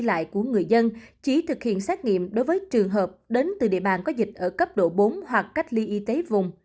đi lại của người dân chỉ thực hiện xét nghiệm đối với trường hợp đến từ địa bàn có dịch ở cấp độ bốn hoặc cách ly y tế vùng